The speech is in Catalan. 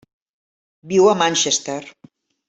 Viu a Manchester.